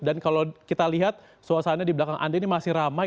dan kalau kita lihat suasana di belakang anda ini masih ramai